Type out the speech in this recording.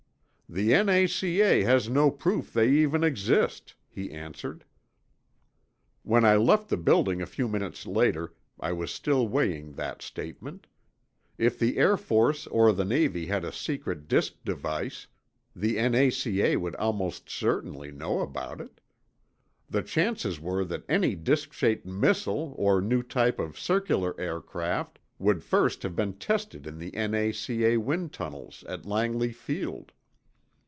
"The N.A.C.A. has no proof they even exist," he answered. When I left the building a few minutes later, I was still weighing that statement. If the Air Force or the Navy had a secret disk device, the N.A.C.A. would almost certainly know about it. The chances were that any disk shaped missile or new type of circular aircraft would first have been tested in the N.A.C.A. wind tunnels at Langley Field.